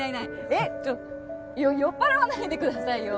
えっちょよ酔っ払わないでくださいよ。